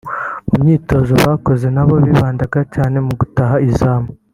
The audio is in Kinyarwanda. mu myitozo bakoze nabo baribandaga cyane mu gutaha izamu